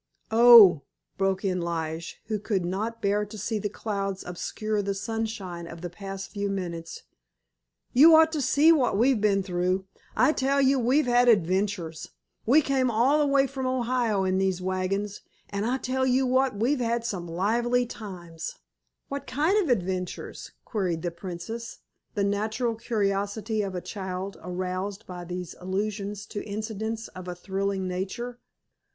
"Oh," broke in Lige, who could not bear to see the clouds obscure the sunshine of the past few minutes, "you ought to see what we've been through! I tell you we've had adventures! We came all the way from Ohio in these wagons, and I tell you what we've had some lively times!" "What kind of adventures?" queried the Princess, the natural curiosity of a child aroused by these allusions to incidents of a thrilling nature.